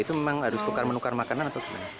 itu memang harus tukar menukar makanan atau gimana